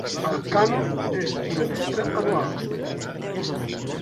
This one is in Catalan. El Cànon és una llista anual.